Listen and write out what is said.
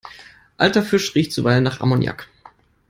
Alter Fisch riecht zuweilen nach Ammoniak.